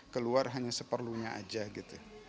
keluar hanya seperlunya aja gitu